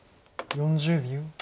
４０秒。